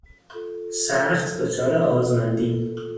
سخت دچار آزمندی